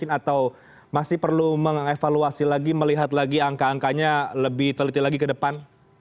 atau masih perlu mengevaluasi lagi melihat lagi angka angkanya lebih teliti lagi ke depan